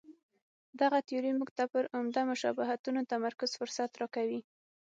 دغه تیوري موږ ته پر عمده مشابهتونو تمرکز فرصت راکوي.